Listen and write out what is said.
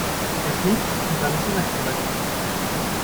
Erst links und dann ist die rechte Seite dran.